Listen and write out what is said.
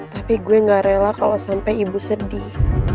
tapi gue gak rela kalo sampe ibu sedih